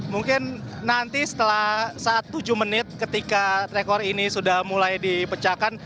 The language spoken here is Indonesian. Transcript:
mungkin nanti setelah saat tujuh menit ketika rekor ini sudah mulai dipecahkan